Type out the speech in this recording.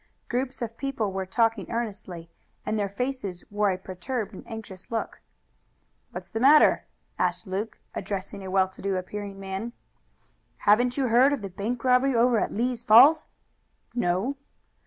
Groups of people were talking earnestly, and their faces wore a perturbed and anxious look. "What's the matter?" asked Luke, addressing a well to do appearing man. "Haven't you heard of the bank robbery over at Lee's Falls?" "No."